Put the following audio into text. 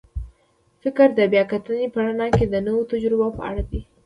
فکر د بیا کتنې په رڼا کې د نویو تجربو په اړه دی.